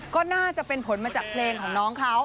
ก็น่าจะเป็นผลมาจากเพลงของน้องเขา